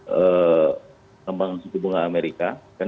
pengembang siku bunga amerika